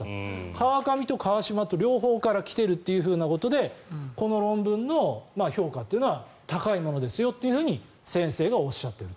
川上と川下と両方から来ているということでこの論文の評価というのは高いものですよと先生がおっしゃっていると。